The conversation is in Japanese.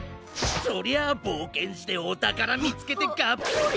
そりゃあぼうけんしておたからみつけてがっぽり。